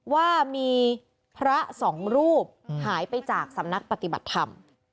ว่ามีพระสองรูปหายไปจากสำนักปฏิบัติธรรม